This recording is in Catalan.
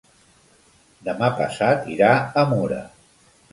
Demà passat irà a Mura.